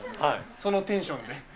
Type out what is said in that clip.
そのテンションで。